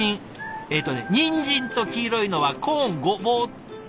えとねにんじんと黄色いのはコーンごぼうって何？